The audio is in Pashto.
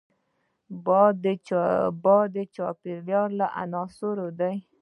باد د چاپېریال له عناصرو دی